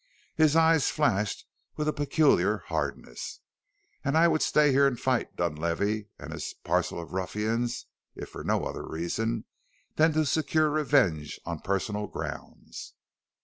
His eyes flashed with a peculiar hardness. "And I would stay here and fight Dunlavey and his parcel of ruffians if for no other reason than to secure revenge on personal grounds.